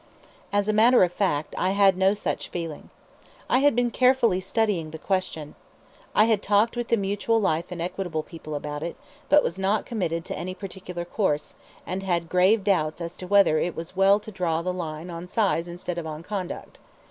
As a matter of fact, I had no such feeling. I had been carefully studying the question. I had talked with the Mutual Life and Equitable people about it, but was not committed to any particular course, and had grave doubts as to whether it was well to draw the line on size instead of on conduct.